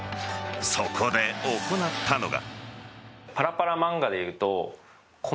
そこで行ったのが。